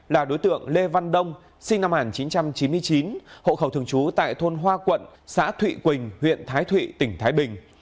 là đối tượng lê văn đông sinh năm một nghìn chín trăm chín mươi chín hộ khẩu thường trú tại thôn hoa quận xã thụy quỳnh huyện thái thụy tỉnh thái bình